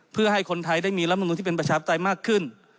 เพื่อให้คนไทยได้มีรัฐมนุนที่เป็นประชาปไตยมากขึ้น